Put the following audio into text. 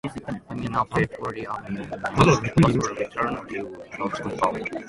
By means of the Treaty of Amiens, both were returned to Dutch control.